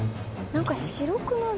何か白くなる。